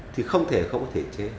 thì không thể không thể chế